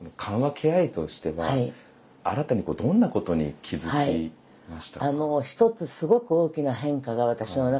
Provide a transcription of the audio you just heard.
ケア医としては新たにどんなことに気付きましたか？